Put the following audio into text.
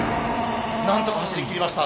なんとか走りきりました。